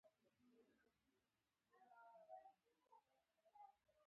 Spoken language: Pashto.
ځینې خلک د بوري پر ځای شات کاروي.